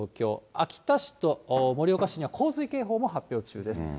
秋田市と盛岡市には洪水警報も発表中です。